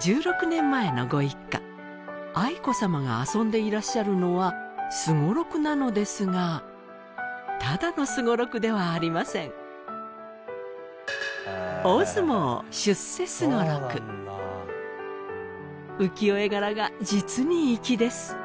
１６年前のご一家愛子さまが遊んでいらっしゃるのはすごろくなのですがただのすごろくではありません浮世絵柄が実に粋です